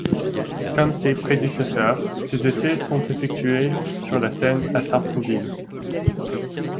Comme ses prédécesseurs, ses essais sont effectués sur la Seine à Sartrouville.